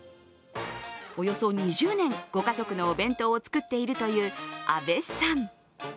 およそ２０年、ご家族のお弁当を作っているという安部さん。